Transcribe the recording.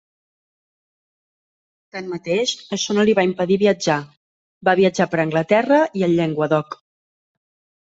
Tanmateix, això no li va impedir viatjar: va viatjar per Anglaterra i el Llenguadoc.